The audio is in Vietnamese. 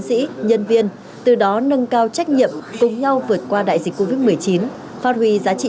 sĩ nhân viên từ đó nâng cao trách nhiệm cùng nhau vượt qua đại dịch covid một mươi chín phát huy giá trị